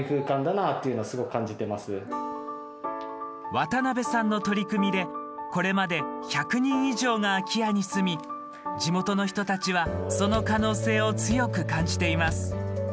渡邊さんの取り組みでこれまで１００人以上が空き家に住み地元の人たちはその可能性を強く感じています。